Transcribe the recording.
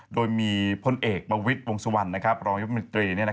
โดยมีพลเอกประวิทย์วงสุวรรณรองยุคมนตรี